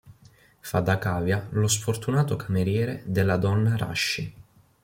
Fa da cavia lo sfortunato cameriere della donna Rashi.